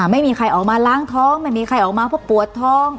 ไม่มีใครออกมาล้างท้องไม่มีใครออกมาเพราะปวดท้อง